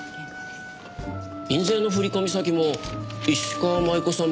印税の振り込み先も石川真悠子さん